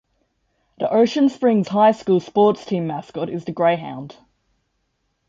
The Ocean Springs High School sports team mascot is the Greyhound.